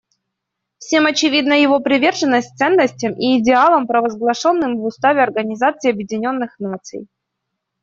Всем очевидна его приверженность ценностям и идеалам, провозглашенным в Уставе Организации Объединенных Наций.